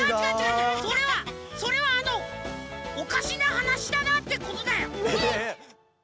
それはそれはあのおかしなはなしだなってことだよ。